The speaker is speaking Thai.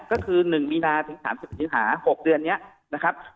ก็คือ๑มีนาถึง๓๐สิงหา๖เดือนนี้นะครับ